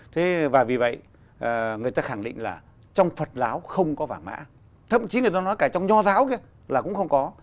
thế và vì vậy người ta khẳng định là trong phật giáo không có vàng mã thậm chí người ta nói cả trong nho giáo là cũng không có